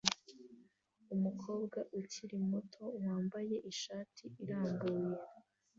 Umukobwa ukiri muto wambaye ishati irambuye